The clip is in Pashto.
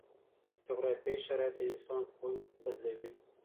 جغرافیایي شرایط د انسان خوی بدلوي.